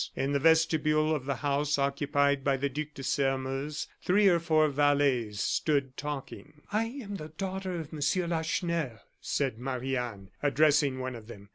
In the vestibule of the house occupied by the Duc de Sairmeuse, three or four valets stood talking. "I am the daughter of Monsieur Lacheneur," said Marie Anne, addressing one of them.